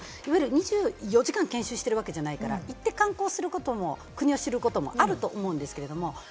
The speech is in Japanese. ２４時間研修しているわけではないから、行って観光することも国を知ることもあると思うんですけれども。